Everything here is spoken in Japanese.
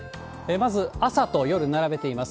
まず安里夜、並べています。